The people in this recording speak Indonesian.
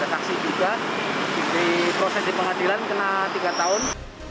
jadi proses di pengadilan kena tiga tahun